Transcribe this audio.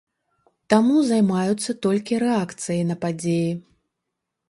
Таму займаюцца толькі рэакцыяй на падзеі.